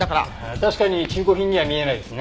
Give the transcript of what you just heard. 確かに中古品には見えないですね。